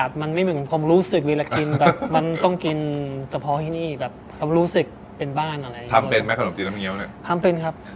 ทำเป็นครับ